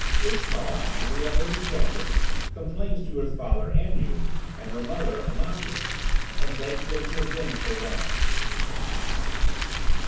Ishtar, angry at her rejection, complains to her father, Anu, and her mother, Anatu, and begs them to avenge her wrong.